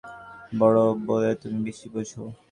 জানি তোমার মনে হয়, আমার চেয়ে বড়ো বলে তুমি বেশি বোঝো।